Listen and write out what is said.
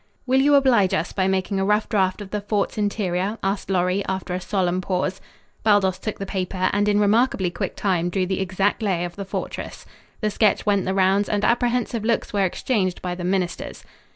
"Will you oblige us by making a rough draft of the fort's interior?" asked Lorry, after a solemn pause. Baldos took the paper and in remarkably quick time drew the exact lay of the fortress. The sketch went the rounds and apprehensive looks were exchanged by the ministers.